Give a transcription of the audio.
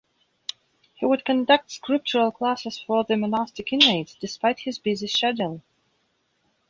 He would conduct scriptural classes for the monastic inmates despite his busy schedule.